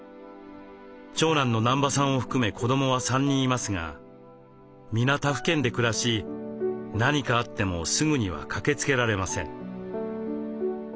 長男の南場さんを含め子どもは３人いますが皆他府県で暮らし何かあってもすぐには駆けつけられません。